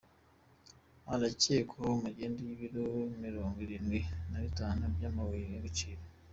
Arakekwaho magendu y’ibiro mirongo irindwi nabitatu by’amabuye y’agaciro